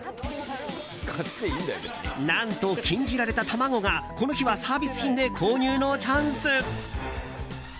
何と禁じられた卵がこの日はサービス品で購入のチャンス。